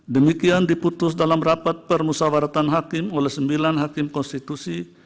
demikian diputus dalam rapat permusawaratan hakim oleh sembilan hakim konstitusi